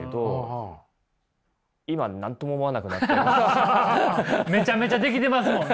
ハハハハハハめちゃめちゃできてますもんね！